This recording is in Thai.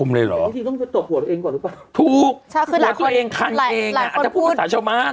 มันจะพูดภาษาชาวม่าน